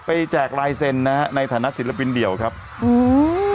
แจกลายเซ็นต์นะฮะในฐานะศิลปินเดี่ยวครับอืม